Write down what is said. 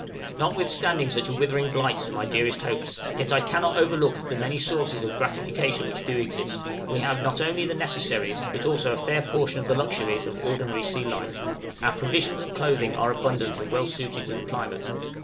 Notwithstanding such a withering blight to my dearest hopes, yet I cannot overlook the many sources of gratification which do exist; we have not only the necessaries, but also a fair portion of the luxuries, of ordinary sea life; our provisions and clothing are abundant and well suited to the climate.